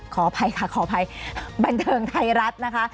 ขออภัยค่ะขออภัยบันเทิงไทยรัฐนะคะ